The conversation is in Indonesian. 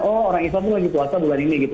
oh orang islam itu lagi puasa bulan ini gitu